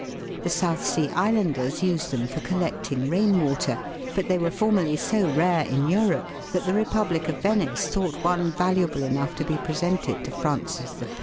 The South Sea Islanders use them for collecting rain water, but they were formerly so rare in Europe that the Republic of Venice thought one valuable enough to be presented to Francis I.